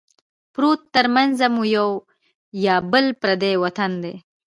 پروت ترمنځه مو یو یا بل پردی وطن دی